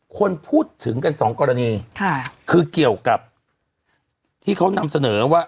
คนพูดถึงกันสองกรณีค่ะคือเกี่ยวกับที่เขานำเสนอว่า